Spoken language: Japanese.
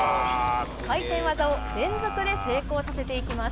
回転技を連続で成功させていきます。